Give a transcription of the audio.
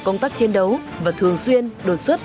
công tác chiến đấu và thường xuyên đột xuất